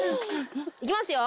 いきますよ！